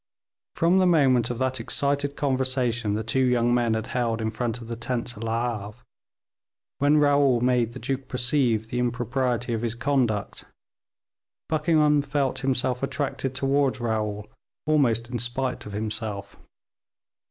From the moment of that excited conversation the two young men had held in front of the tents at Le Havre, when Raoul made the duke perceive the impropriety of his conduct, Buckingham felt himself attracted towards Raoul almost in spite of himself.